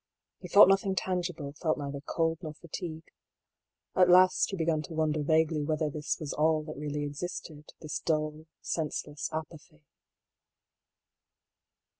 He thought nothing tangible, felt neither cold nor fatigue. At last he began to wonder vaguely whether this was all that really existed — this dull, senseless apathy.